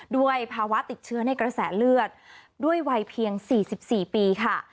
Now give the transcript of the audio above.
ด้วยภาวะติดเชื้อในกระแสเลือดด้วยวัยเพียง๔๔ปีค่ะ